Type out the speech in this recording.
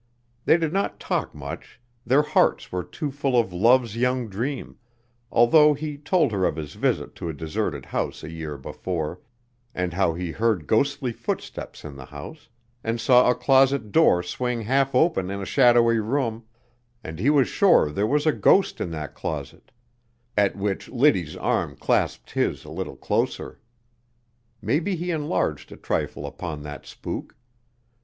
They did not talk much their hearts were too full of love's young dream although he told her of his visit to a deserted house a year before, and how he heard ghostly footsteps in the house, and saw a closet door swing half open in a shadowy room, and he was sure there was a ghost in that closet; at which Liddy's arm clasped his a little closer. Maybe he enlarged a trifle upon that spook.